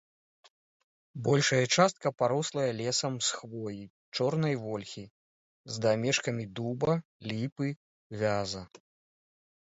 Большая частка парослая лесам з хвоі, чорнай вольхі, з дамешкамі дуба, ліпы, вяза.